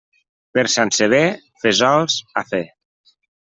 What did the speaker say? Per Sant Sever, fesols a fer.